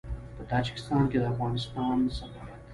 په تاجکستان کې د افغانستان سفارت